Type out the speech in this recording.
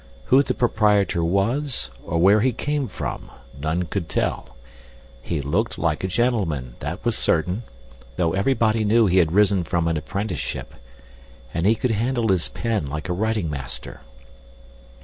Who the proprietor was, or where he came from none could tell. He looked like a gentleman, that was certain, though everybody knew he had risen from an apprenticeship, and he could handle his pen like a writing master.